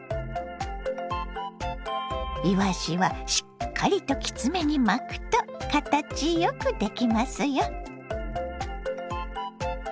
いわしはしっかりときつめに巻くと形よくできますよ。